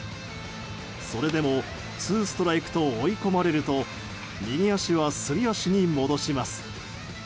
それでもツーストライクと追い込まれると右足はすり足に戻します。